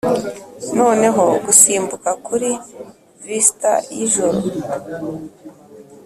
noneho gusimbuka kuri vista yijoro,